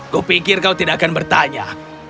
kupikir kau tidak akan bertanya